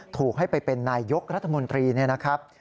ถูกให้ไปเป็นนายยกรัฐมนตรีเนี่ยนะครับ